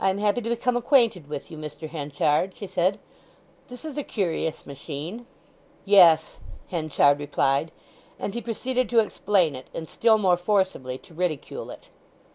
"I am happy to become acquainted with you, Mr. Henchard," she said. "This is a curious machine." "Yes," Henchard replied; and he proceeded to explain it, and still more forcibly to ridicule it.